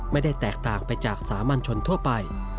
ไม่ได้แตกต่างไปจากสามัญชนทั่วไป